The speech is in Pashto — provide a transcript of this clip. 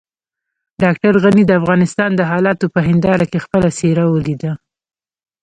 ډاکټر غني د افغانستان د حالاتو په هنداره کې خپله څېره وليده.